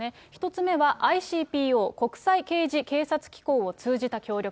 １つ目はＩＣＰＯ、国際刑事警察機構を通じた協力。